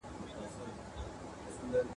یک تنها د ګلو غېږ کي له خپل خیال سره زنګېږم ..